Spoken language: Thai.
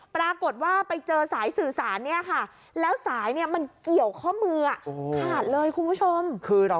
ปรากฏว่าไปเจอสายสื่อสารนี่ค่ะ